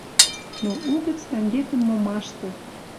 Но угӹц тӓнгетӹм момашты